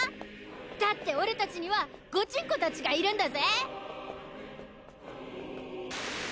だって俺達にはゴチンコ達がいるんだぜ！